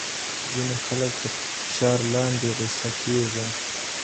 ځینې خلک تر فشار لاندې غوسه کېږي.